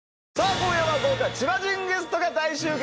今夜は豪華千葉人ゲストが大集結！